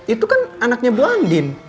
itu kan anaknya bu andin